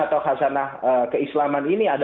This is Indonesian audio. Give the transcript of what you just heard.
atau khasanah keislaman ini